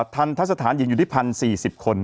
ทันทะสถานหญิงอยู่ที่๑๐๔๐คน